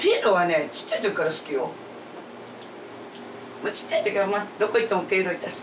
まあちっちゃい時はどこ行ってもピエロいたし。